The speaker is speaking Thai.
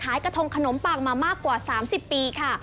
กระทงขนมปังมามากกว่า๓๐ปีค่ะ